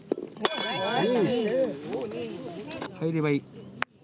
入ればいい。